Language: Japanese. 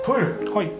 はい。